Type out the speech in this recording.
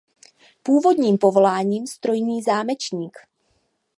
Původním povoláním strojní zámečník.